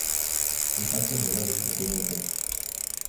Impactos menores no tienen efecto.